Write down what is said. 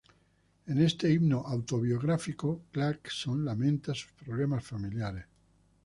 En este himno autobiográfico, Clarkson lamenta sus problemas familiares.